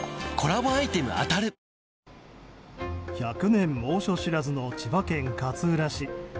１００年猛暑知らずの千葉県勝浦市。